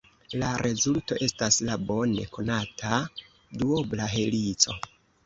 La rezulto estas la bone konata duobla helico.